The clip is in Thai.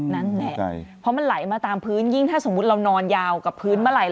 นั่นแหละเพราะมันไหลมาตามพื้นยิ่งถ้าสมมุติเรานอนยาวกับพื้นเมื่อไหร่